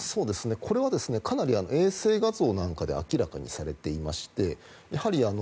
これはかなり衛星画像なんかで明らかにされていましてやはり、